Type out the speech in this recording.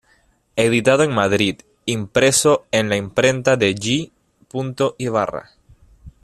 Editado en Madrid, estaba impreso en la imprenta de J. Ibarra.